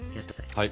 はい。